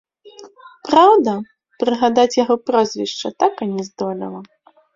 Праўда, прыгадаць яго прозвішча так і не здолела.